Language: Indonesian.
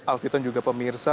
alfitan juga pemirsa